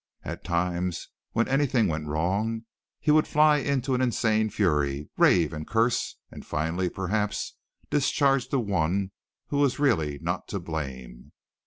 At times, when anything went wrong, he would fly into an insane fury, rave and curse and finally, perhaps, discharge the one who was really not to blame.